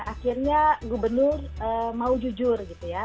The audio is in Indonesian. akhirnya gubernur mau jujur gitu ya